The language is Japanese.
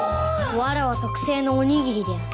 わらわ特製のおにぎりである。